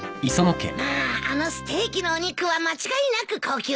まああのステーキのお肉は間違いなく高級な物だね。